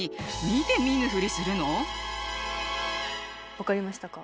分かりましたか？